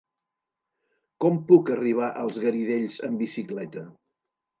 Com puc arribar als Garidells amb bicicleta?